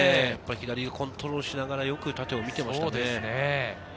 左コントロールしながら、よく縦を見ていましたね。